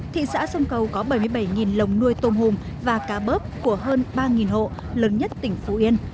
thị xã sông cầu có bảy mươi bảy lồng nuôi tôm hùm và cá bớp của hơn ba hộ lớn nhất tỉnh phú yên